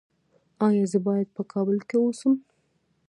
ایا زه باید په کابل کې اوسم؟